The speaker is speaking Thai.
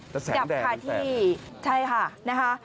แต่แสงแดดคือแสงใช่ค่ะนะฮะ